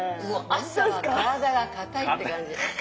朝は体が硬いって感じ。